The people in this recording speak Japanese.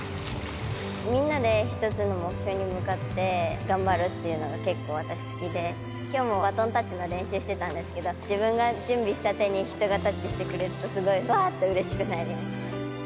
みんなで一つの目標に向かって、頑張るっていうのが、結構私、好きで、きょうもバトンタッチの練習してたんですけれども、自分が準備した手に人がタッチしてくれると、すごいわーっとうれしくなります。